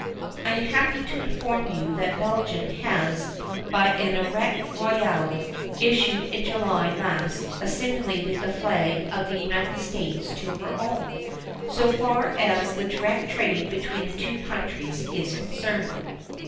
I am happy to inform you that Belgium has, by an "arrete royale" issued in July last, assimilated the flag of the United States to her own, so far as the direct trade between the two countries is concerned.